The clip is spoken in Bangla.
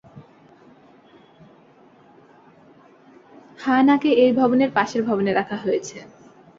হা-না কে এই ভবনের পাশের ভবনে রাখা হয়েছে।